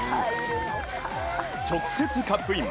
直接カップイン。